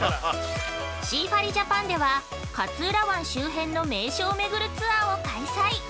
◆シーファリジャパンでは勝浦湾周辺の名所をめぐるツアーを開催。